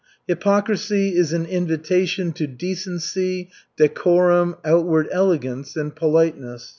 Hypocrisy is an invitation to decency, decorum, outward elegance and politeness.